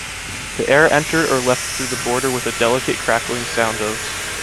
The air entered or left through the border with a delicate crackling sound of